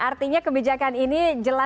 artinya kebijakan ini